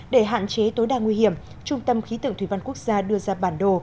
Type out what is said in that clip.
để hạn chế tối đa nguy hiểm trung tâm khí tượng thủy văn quốc gia đưa ra bản đồ